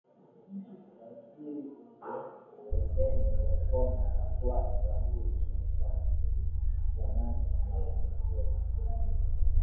Waikizu Waisenye Waikoma Wakwaya Waluli Washashi Wanata na Wasweta